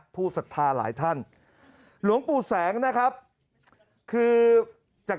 ผู้ศัตรายหลายท่านหลวงปู่แสงนะครับคือจากที่มีข่าว